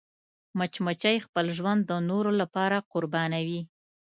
مچمچۍ خپل ژوند د نورو لپاره قربانوي